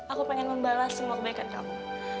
aku pengen membalas semua kebaikan kamu